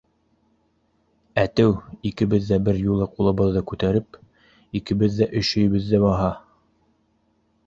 Әтеү икебеҙ ҙә бер юлы ҡулыбыҙҙы күтәреп, икебеҙ ҙә өшөйбөҙ ҙә баһа.